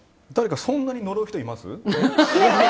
誰かそんなに呪う人います？